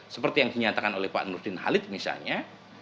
seperti yang dinyatakan oleh pak nurdin halid misalnya